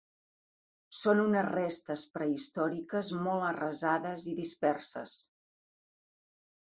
Són unes restes prehistòriques molt arrasades i disperses.